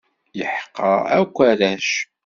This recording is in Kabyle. Yeḥqer akk arrac.